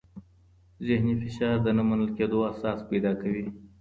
ذهني فشار د نه منل کېدو احساس پیدا کوي.